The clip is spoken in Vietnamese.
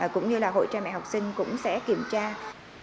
cũng như là hội trai mẹ học sinh cũng sẽ kiểm duyệt